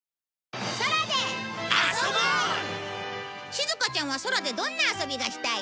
しずかちゃんは空でどんな遊びがしたい？